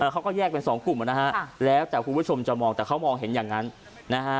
เขาก็แยกเป็นสองกลุ่มนะฮะแล้วแต่คุณผู้ชมจะมองแต่เขามองเห็นอย่างนั้นนะฮะ